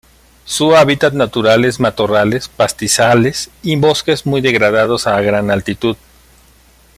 Su hábitat natural es matorrales, pastizales y bosques muy degradados a gran altitud.